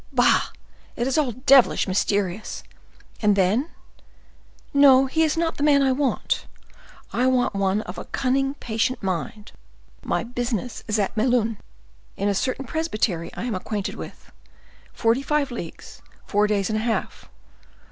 Bah! it is all devilish mysterious! And then—no—he is not the man I want. I want one of a cunning, patient mind. My business is at Melun, in a certain presbytery I am acquainted with. Forty five leagues—four days and a half!